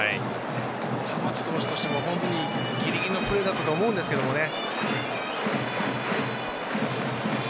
浜地投手としてもぎりぎりのプレーだったと思うんですけどね。